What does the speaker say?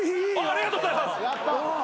ありがとうございます。